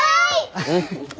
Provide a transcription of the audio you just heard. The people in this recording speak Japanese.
うん。